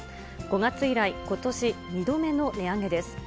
５月以来、ことし２度目の値上げです。